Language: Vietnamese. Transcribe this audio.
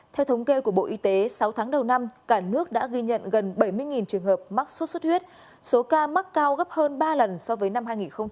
theo thống kê của bộ y tế sáu tháng đầu năm cả nước đã ghi nhận gần bảy mươi trường hợp mắc sốt xuất huyết số ca mắc cao gấp hơn ba lần so với năm hai nghìn một mươi tám